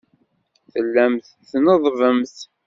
Tellamt tneḍḍbemt.